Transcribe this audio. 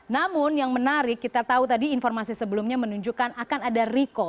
namun yang menarik kita tahu tadi informasi sebelumnya menunjukkan akan ada recall